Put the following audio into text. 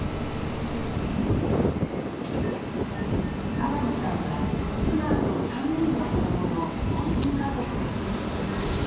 アダムさんは妻と３人の子どもの５人家族です